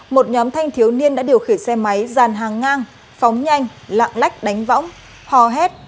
một nhóm thanh thiếu niên đã điều khiển xe máy dàn hàng ngang phóng nhanh lạng lách đánh võng hò hét